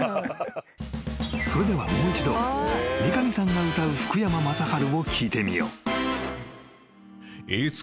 ［それではもう一度三上さんが歌う福山雅治を聴いてみよう］